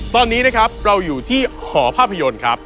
ตอนนี้นะครับเราอยู่ที่หอภาพยนตร์ครับ